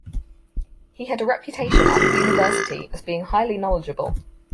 He had a reputation at the University as being highly knowledgeable.